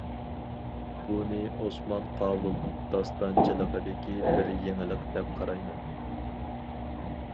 بۇنى ئوسمان قاۋۇل داستانچىلىقىدىكى بىر يېڭىلىق دەپ قارايمەن.